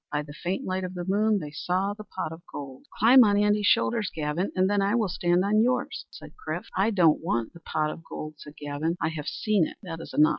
By the faint light of the moon they saw the pot of gold. "Climb on Andy's shoulders, Gavin, and then I will stand on yours," said Chrif. "I don't want the pot of gold," said Gavin. "I have seen it; that is enough.